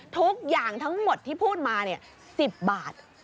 ทุกอย่างทั้งหมดที่พูดมา๑๐บาท